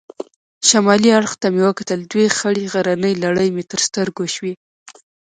شمالي اړخ ته مې وکتل، دوې خړې غرنۍ لړۍ مې تر سترګو شوې.